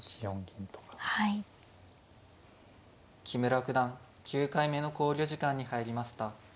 木村九段９回目の考慮時間に入りました。